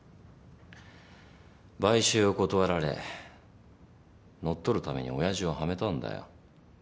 買収を断られ乗っ取るためにおやじをはめたんだよ。